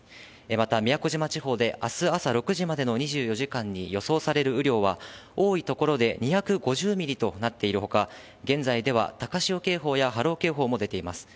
また宮古島地方で、あす朝６時までの２４時間に予想される雨量は多い所で２５０ミリとなっているほか、現在では高潮警報や波浪警報も出ています。